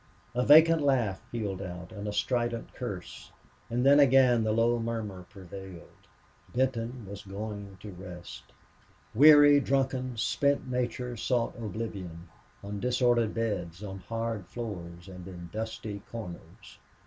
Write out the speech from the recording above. A vacant laugh pealed out and a strident curse, and then again the low murmur prevailed. Benton was going to rest. Weary, drunken, spent nature sought oblivion on disordered beds, on hard floors, and in dusty corners.